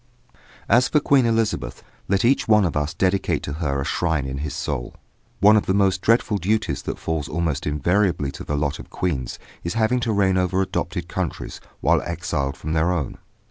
As for Queen Elizabeth, let each one of us dedicate to her a shrine in his soul. One of the most dreaded duties that falls almost invariably to the lot of queens is having to reign over adopted countries while exiled from their own.